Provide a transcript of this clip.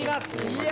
いや！